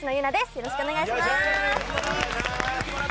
よろしくお願いします。